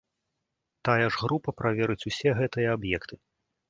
Тая ж група праверыць ўсе гэтыя аб'екты.